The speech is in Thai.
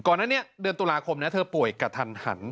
ก่อนนั้นเดือนตุลาคมเธอป่วยกะทัน